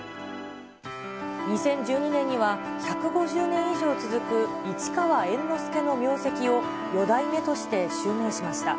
２０１２年には、１５０年以上続く市川猿之助の名跡を四代目として襲名しました。